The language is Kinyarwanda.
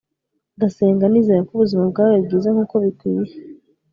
ndasenga nizera ko ubuzima bwabaye bwiza nkuko bikwiye